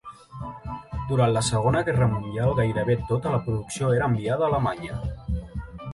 Durant la segona Guerra Mundial gairebé tota la producció era enviada a Alemanya.